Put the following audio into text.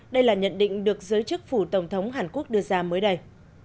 đây là nhận định được giới chức phủ tổng thống hàn quốc đưa ra mới đây